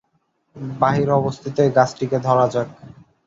বাহিরে অবস্থিত ঐ গাছটিকে ধরা যাক।